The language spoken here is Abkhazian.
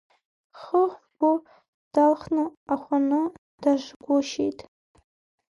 Ҳхы-ҳгәы далхны, ахәаны даажгәышьеит.